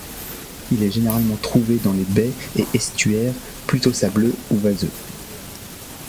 Il est généralement trouvé dans les baies et estuaires plutôt sableux ou vaseux.